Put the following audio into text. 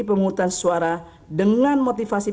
pemungkutan suara dengan motivasi